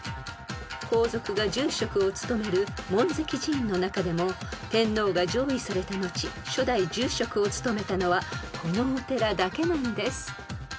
［皇族が住職を務める門跡寺院の中でも天皇が譲位された後初代住職を務めたのはこのお寺だけなんです］